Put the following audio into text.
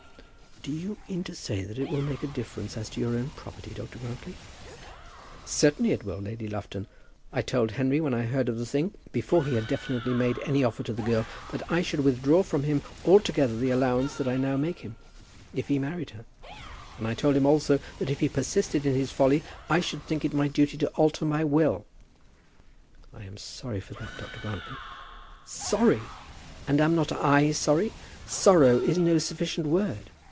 "Do you mean to say that it will make a difference as to your own property, Dr. Grantly?" "Certainly it will, Lady Lufton. I told Henry when I first heard of the thing, before he had definitely made any offer to the girl, that I should withdraw from him altogether the allowance that I now make him, if he married her. And I told him also, that if he persisted in his folly I should think it my duty to alter my will." "I am sorry for that, Dr. Grantly." "Sorry! And am not I sorry? Sorrow is no sufficient word.